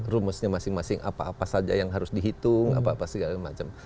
rumusnya masing masing apa apa saja yang harus dihitung apa apa segala macam